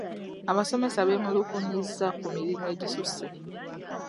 Abasomesa beemulugunyizza ku mirimu egisusse.